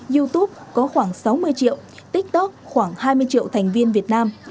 youtube có khoảng sáu mươi triệu tiktok khoảng hai mươi triệu thành viên việt nam